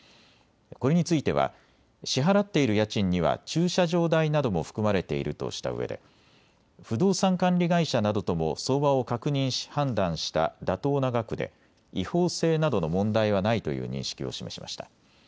これについては支払っている家賃には駐車場代なども含まれているとしたうえで不動産管理会社などとも相場を確認し判断した妥当な額で違法性などの問題はないという認識を示しました。